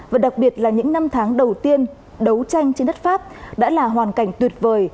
và đặc biệt là những năm tháng đầu tiên đấu tranh trên đất pháp đã là hoàn cảnh tuyệt vời